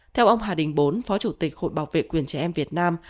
theo ông hà đình bốn phó chủ tịch hội bảo vệ quyền trẻ em việt nam